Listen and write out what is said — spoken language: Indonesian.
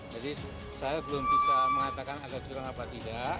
jadi saya belum bisa mengatakan ada curang apa tidak